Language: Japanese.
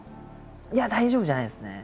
いや大丈夫じゃないですね。